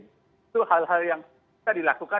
itu hal hal yang bisa dilakukan